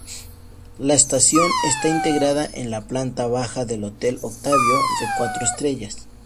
La estación está integrada en la planta baja del Hotel Octavio, de cuatro estrellas.